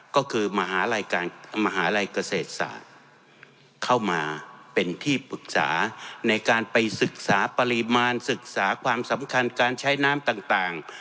ก็คือมหาลัยการมหาลัยเกษตรศาสตร์เข้ามาเป็นที่ปรึกษาในการไปศึกษาปริมาณศึกษาความสำคัญการใช้น้ำต่าง